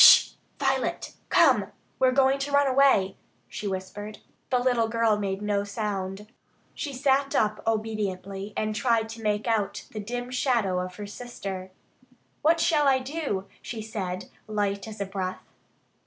"Sh! Violet! Come! We're going to run away," she whispered. The little girl made no sound. She sat up obediently and tried to make out the dim shadow of her sister. "What shall I do?" she said, light as a breath.